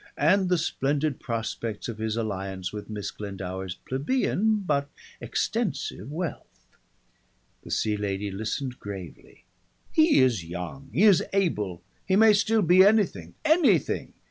and the splendid prospects of his alliance with Miss Glendower's plebeian but extensive wealth. The Sea Lady listened gravely. "He is young, he is able, he may still be anything anything.